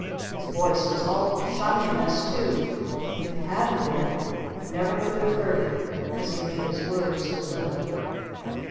His voice was all SHININGNESS too! If it hadn't been you never could have heard it 'cause he made his words so little.